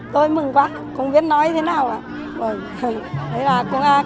tôi mừng quá không biết nói thế nào